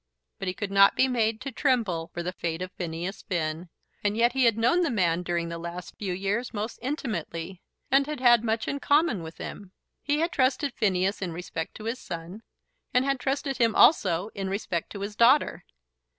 But he could not be made to tremble for the fate of Phineas Finn. And yet he had known the man during the last few years most intimately, and had had much in common with him. He had trusted Phineas in respect to his son, and had trusted him also in respect to his daughter.